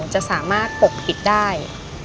จะสามารถปกปิดได้